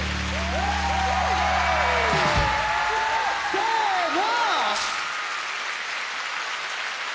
せの！